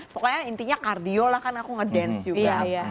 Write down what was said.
pokoknya intinya kardiolah kan aku ngedance juga